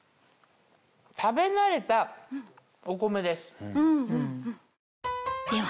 食べ慣れたお米です。